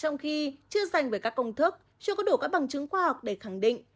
trong khi chưa dành về các công thức chưa có đủ các bằng chứng khoa học để khẳng định